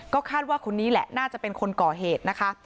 คาดว่าคนนี้แหละน่าจะเป็นคนก่อเหตุนะคะ